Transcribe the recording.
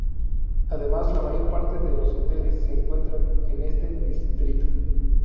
Además, la mayor parte de los hoteles se encuentran en este distrito.